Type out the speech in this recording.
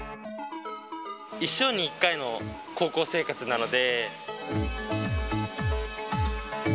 一生に１回の高校生活なので。